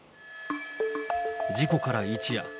事故から一夜。